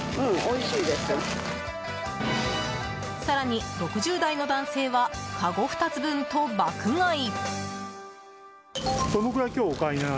更に、６０代の男性はかご２つ分と爆買い。